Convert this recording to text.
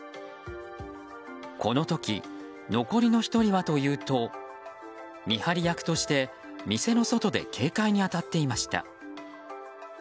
この時、残りの１人はというと見張り役として店の外で警戒に当たっていました。